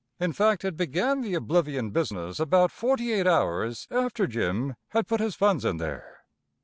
In fact, it began the oblivion business about forty eight hours after Jim had put his funds in there.